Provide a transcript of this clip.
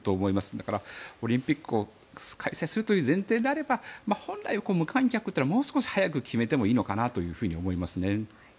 だから、オリンピックを開催するという前提であれば本来、無観客というのはもう少し早く決めてもいいのかなと思いますね。